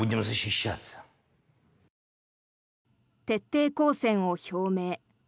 徹底抗戦を表明。